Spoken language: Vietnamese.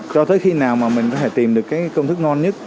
cho tới khi nào mà mình có thể tìm được cái công thức ngon nhất